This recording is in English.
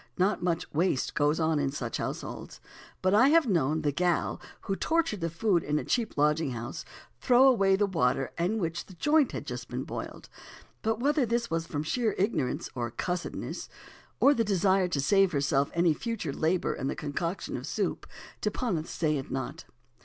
Not much "waste" goes on in such households. But I have known the "gal" who tortured the food in a cheap lodging house throw away the water in which a joint had just been boiled, but whether this was from sheer ignorance, or "cussedness," or the desire to save herself any future labour in the concoction of soup, deponent sayeth not.